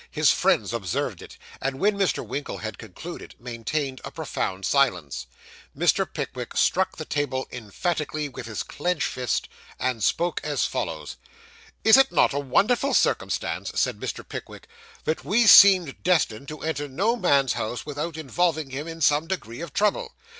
His friends observed it, and, when Mr. Winkle had concluded, maintained a profound silence. Mr. Pickwick struck the table emphatically with his clenched fist, and spoke as follows: 'Is it not a wonderful circumstance,' said Mr. Pickwick, 'that we seem destined to enter no man's house without involving him in some degree of trouble?